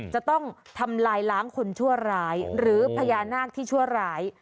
จะต้องทำลายล้างคนชั่วร้ายหรือพญานาคที่ชั่วร้าย